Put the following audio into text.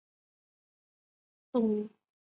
琴形管巢蛛为管巢蛛科管巢蛛属的动物。